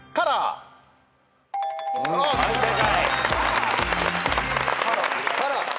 はい正解。